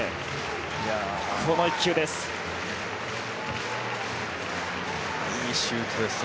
この１球です。